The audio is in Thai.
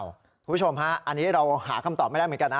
คุณผู้ชมฮะอันนี้เราหาคำตอบไม่ได้เหมือนกันนะ